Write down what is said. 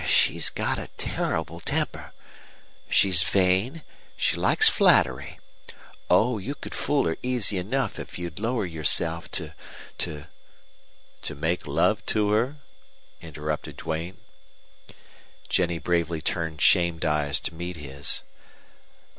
She's got a terrible temper. She's vain. She likes flattery. Oh, you could fool her easy enough if you'd lower yourself to to " "To make love to her?" interrupted Duane. Jennie bravely turned shamed eyes to meet his.